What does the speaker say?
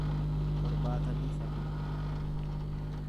torbaatamii sadii